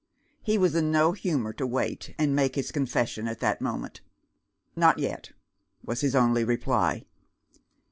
He was in no humour to wait, and make his confession at that moment. "Not yet," was his only reply.